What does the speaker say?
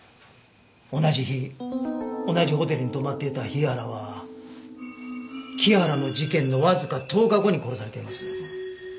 同じ日同じホテルに泊まっていた日原は木原の事件のわずか１０日後に殺されています。